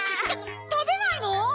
たべないの？